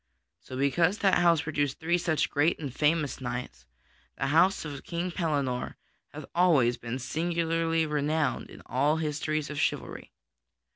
So because that house produced three such great and famous knights, the house of King Pellinore hath always been singularly renowned in all histories of chivalry.